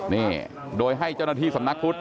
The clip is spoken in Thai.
นี่โดยให้เจ้าหน้าที่สำนักพุทธ